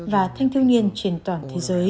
và thanh thiêu niên trẻ em